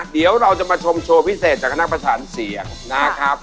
เดี๋ยวเราจะมาชมโชว์พิเศษจากคณะประสานเสียงนะครับ